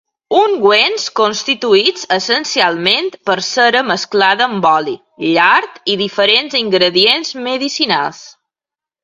Ungüents constituïts essencialment per cera mesclada amb oli, llard i diferents ingredients medicinals.